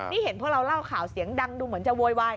นี่เห็นพวกเราเล่าข่าวเสียงดังดูเหมือนจะโวยวาย